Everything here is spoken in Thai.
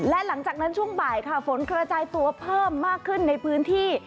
และหลังจากนั้นช่วงบ่ายค่ะฝนกระจายตัวเพิ่มมากขึ้นในพื้นที่